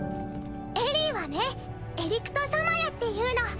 エリィはねエリクト・サマヤっていうの。